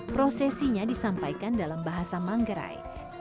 prosesinya disampaikan dalam bahasa manggarai